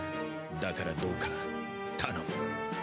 だからどうか頼む。